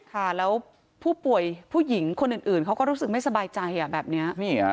ค่ะแล้วผู้ป่วยผู้หญิงคนอื่นเขาก็รู้สึกไม่สบายใจแบบนี้